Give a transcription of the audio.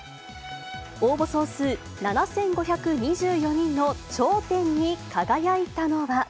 応募総数７５２４人の頂点に輝いたのは。